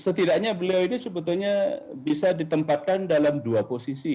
setidaknya beliau ini sebetulnya bisa ditempatkan dalam dua posisi